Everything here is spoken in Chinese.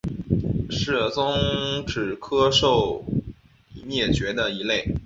是鬣齿兽科已灭绝的一类。